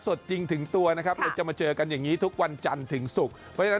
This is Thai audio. สดจริงถึงตัวเราจะมาเจอกันอย่างนี้ทุกวันจันทร์ถึงศุกร์